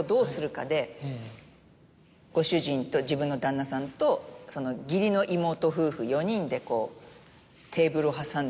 ご主人と自分の旦那さんと義理の妹夫婦４人でテーブルを挟んで。